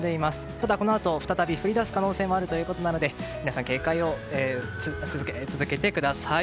ただ、このあと再び降り出す可能性もあるということなので皆さん、警戒を続けてください。